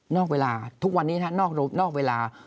เวลาทุกวันนี้นอกเวลา